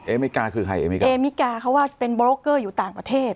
เมริกาคือใครเอมิกาเขาว่าเป็นโบรกเกอร์อยู่ต่างประเทศ